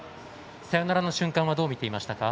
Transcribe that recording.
サヨナラの瞬間はどう見ていましたか？